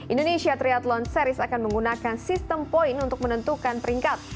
indonesia triathlon series akan menggunakan sistem poin untuk menentukan peringkat